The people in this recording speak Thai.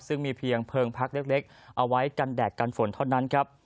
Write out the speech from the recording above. ซึ่งมีเพียงเพลิงพักเล็กเอาไว้กันแดดกันฝนเท่านั้นครับ